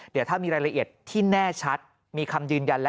เดี๋ยวถ้ามีรายละเอียดที่แน่ชัดมีคำยืนยันแล้ว